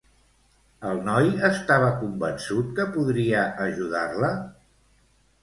El noi estava convençut que podria ajudar-la?